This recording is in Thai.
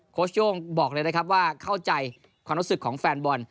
ชโย่งบอกเลยนะครับว่าเข้าใจความรู้สึกของแฟนบอล